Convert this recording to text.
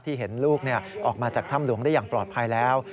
เห็นลูกออกมาจากถ้ำหลวงได้อย่างปลอดภัยแล้ว